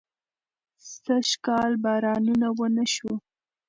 سږکال بارانونه ونه شو